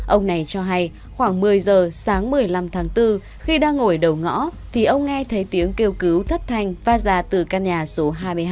ông này cho hay khoảng một mươi giờ sáng một mươi năm tháng bốn khi đang ngồi đầu ngõ thì ông nghe thấy tiếng kêu cứu thất thanh va già từ căn nhà số hai mươi hai